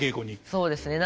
そうですね。